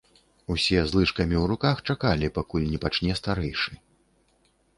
Усе з лыжкамі ў руках чакалі, пакуль не пачне старэйшы.